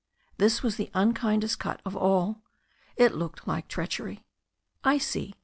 This was the unkindest cut of all. It looked like treach ery. "I see.